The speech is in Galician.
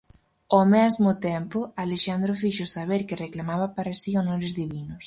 Ó mesmo tempo, Alexandro fixo saber que reclamaba para si honores divinos.